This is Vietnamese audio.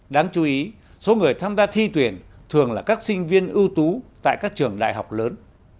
đáng chú ý số người tham gia thi tuyển thường là các sinh viên ưu tú tại các trường đại học lớn